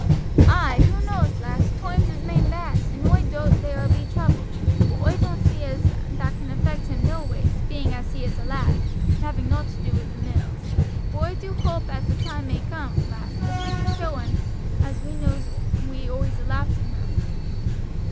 "Ay, who knows, lass? toimes is main bad, and oi doot there will be trouble, but oi doan't see as that can affect him no ways, being as he is a lad, and having nowt to do with the mills but oi do hoape as the time may come, lass, as we can show un as we knows we owes a loife to him."